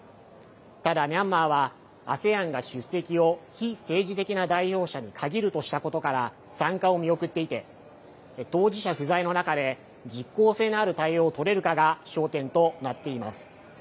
ただ、ミャンマーはＡＳＥＡＮが出席を非政治的な代表者に限るとしたことから、参加を見送っていて、当事者不在の中で、実効性のある対応を取れるかが焦点となっています。